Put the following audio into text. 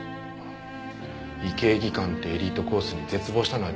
医系技官ってエリートコースに絶望したのは事実です。